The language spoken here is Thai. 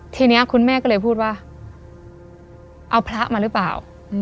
ทีนี้คุณแม่ก็เลยพูดว่าเอาพระมาหรือเปล่า